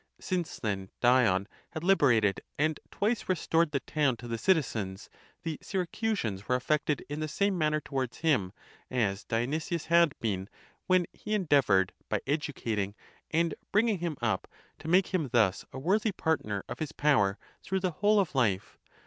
Since then (Dion)? had liberated and twice restored the town to the citizens, the Syracusans were affected in the same manner towards him, as Dionysius had been, when he endea .voured by educating and bringing him up to make him thus a worthy partner of his power through the whole of life.